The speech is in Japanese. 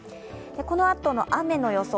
このあとの雨の予想